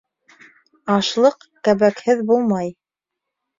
Ашлыҡ кәбәкһеҙ булмай.